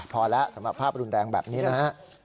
พอแล้วสำหรับภาพรุนแรงแบบนี้นะฮะ